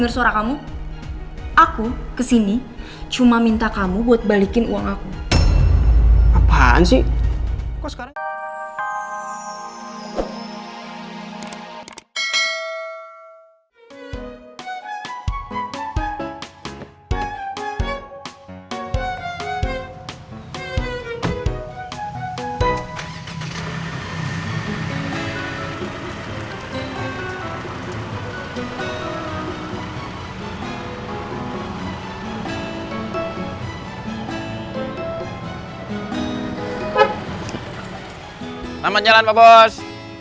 selamat jalan pak bos